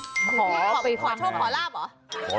ขอของานขอโชคขอราบหรอ